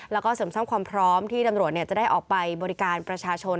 แล้วก็เสริมสร้างความพร้อมที่ตำรวจจะได้ออกไปบริการประชาชน